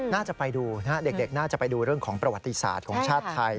น่าจะไปดูนะฮะเด็กน่าจะไปดูเรื่องของประวัติศาสตร์ของชาติไทย